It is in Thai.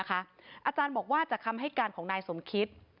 อาจารย์บอกว่าจากคำให้การของนายสมคิต